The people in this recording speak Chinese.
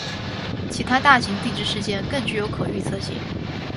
其他大型地质事件更具可预测性。